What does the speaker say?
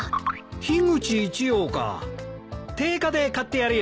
樋口一葉か定価で買ってやるよ。